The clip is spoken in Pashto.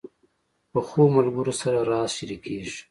پخو ملګرو سره راز شریکېږي